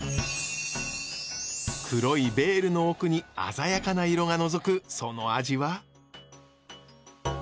黒いベールの奥に鮮やかな色がのぞくその味は？